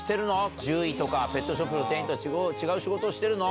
獣医とかペットショップの店員と違う仕事をしてるの？